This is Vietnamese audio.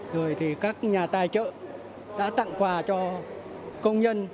rồi thì các nhà tài trợ đã tặng quà cho công nhân